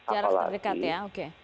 jarak terdekat ya oke